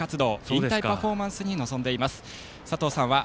引退パフォーマンスに臨んでいます。